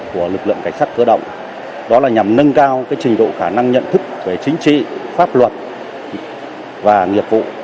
của lực lượng cảnh sát cơ động đó là nhằm nâng cao trình độ khả năng nhận thức về chính trị pháp luật và nghiệp vụ